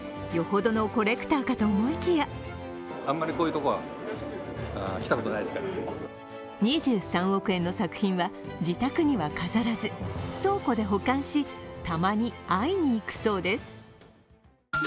よほどのコレクターかと思いきや２３億円の作品は自宅には飾らず倉庫で保管したまに会いに行くそうです。